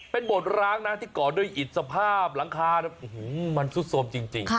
เป็นบทร้างนะที่ก่อด้วยอิดสภาพหลังคามันซุดโทรมจริง